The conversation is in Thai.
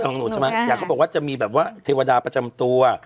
ของหนูเขาบอกว่าจะมีแบบว่าเทวดาประจำตัว